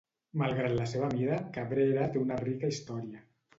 Malgrat la seva mida, Cabrera té una rica història.